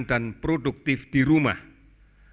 dalam perjalanan ke masjid